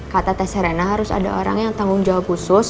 kata teh serena harus ada orang yang tanggung jawab khusus